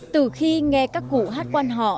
từ khi nghe các cụ hát quán họ